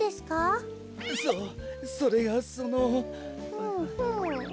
ふむふむ。